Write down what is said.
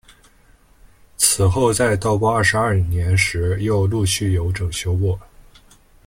此后在道光二十二年时又陆续有整修过。